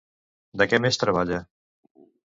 De què més treballa?